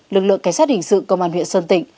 lực lượng cảnh sát hình sự công an huyện sơn tịnh